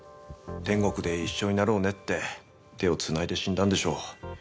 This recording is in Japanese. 天国で一緒になろうねって手を繋いで死んだんでしょう。